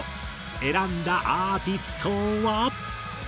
選んだアーティストは。